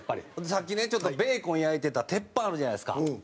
さっきねちょっとベーコン焼いていた鉄板あるじゃないですか。